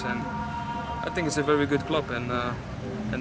saya pikir ini adalah klub yang sangat baik